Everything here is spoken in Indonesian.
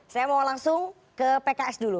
saya mau langsung ke pks dulu